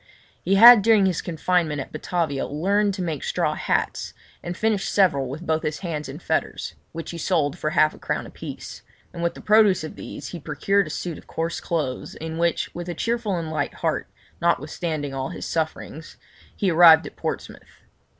He had during his confinement at Batavia learned to make straw hats, and finished several with both his hands in fetters, which he sold for half a crown a piece; and with the produce of these he procured a suit of coarse clothes, in which, with a cheerful and light heart, notwithstanding all his sufferings, he arrived at Portsmouth.